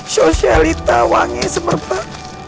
sosialita wangi semerbang